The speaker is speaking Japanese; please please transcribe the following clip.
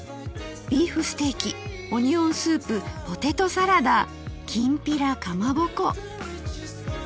「ビーフステーキオニオンスープポテトサラダきんぴらかまぼこ」